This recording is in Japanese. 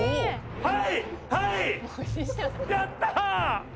「はい！」